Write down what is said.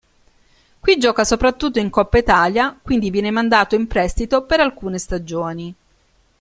Qui gioca soprattutto in Coppa Italia, quindi viene mandato in prestito per alcune stagioni.